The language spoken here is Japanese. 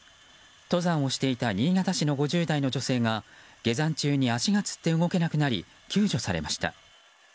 登山をしていた新潟市の５０代の女性が下山中に足がつって動けなくなり救助されました。